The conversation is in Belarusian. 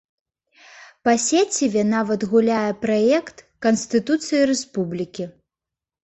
Па сеціве нават гуляе праект канстытуцыі рэспублікі.